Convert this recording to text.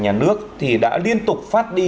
nhà nước thì đã liên tục phát đi